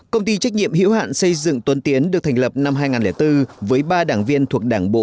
công ty trách nhiệm hiểu hạn xây dựng tuấn tiến được thành lập năm hai nghìn bốn với ba đảng viên thuộc đảng bộ